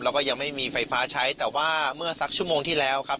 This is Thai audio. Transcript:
แล้วก็ยังไม่มีไฟฟ้าใช้แต่ว่าเมื่อสักชั่วโมงที่แล้วครับ